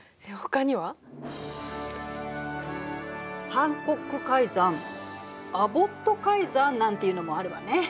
ハンコック海山アボット海山なんていうのもあるわね。